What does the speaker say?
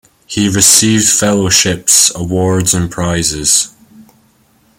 He received fellowships, awards and prizes.